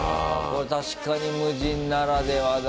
これ確かに無人ならではだ。